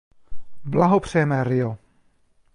Blahopřejeme, Rio!